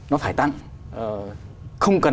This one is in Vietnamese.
nó phải tăng không cần